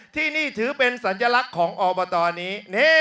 ที่นี่ถือเป็นสัญลักษณ์ของอบตนี้